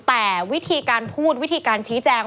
แต่วิธีการพูดวิธีการชี้แจง